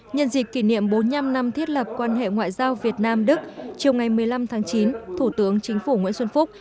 nhân dịp kỷ niệm bốn mươi năm năm thiết lập quan hệ ngoại giao việt nam đức chiều ngày một mươi năm tháng chín thủ tướng chính phủ nguyễn xuân phúc